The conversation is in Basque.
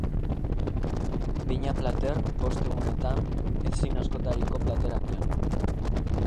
Bina plater, bost egunetan, ezin askotariko platerak jan.